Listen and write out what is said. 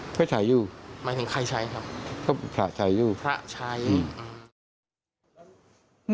ช่วยถ่ายอยู่หมายถึงใครใช้ครับก็พระถ่ายอยู่พระใช้อืม